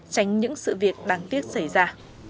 tránh những sự việc đáng tiếc xảy ra